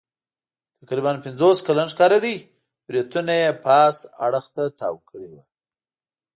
تقریباً پنځوس کلن ښکارېده، برېتونه یې پاس اړخ ته تاو کړي ول.